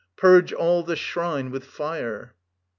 Purge all the shrine with fire.